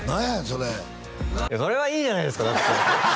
それそれはいいじゃないですか